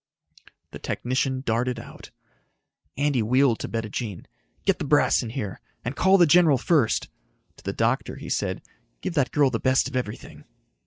The technician darted out. Andy wheeled to Bettijean. "Get the brass in here. And call the general first." To the doctor, he said, "Give that girl the best of everything."